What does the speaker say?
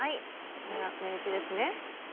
これは目打ちですね。